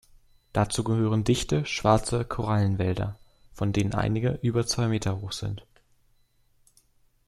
Dazu gehören dichte schwarze Korallenwälder, von denen einige über zwei Meter hoch sind.